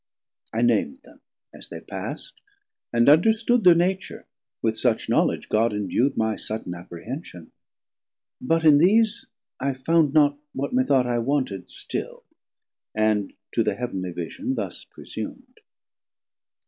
I nam'd them, as they pass'd, and understood Thir Nature, with such knowledg God endu'd My sudden apprehension: but in these I found not what me thought I wanted still; And to the Heav'nly vision thus presum'd.